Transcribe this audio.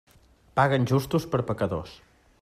Paguen justos per pecadors.